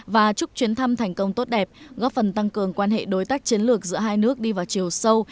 và chúc chuyến thăm thành công tốt đẹp góp phần tăng cường quan hệ đối tác chiến lược giữa hai nước đi vào chiều sâu